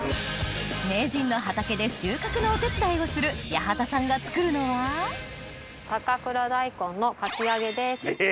名人の畑で収穫のお手伝いをする八幡さんが作るのは高倉ダイコンの。え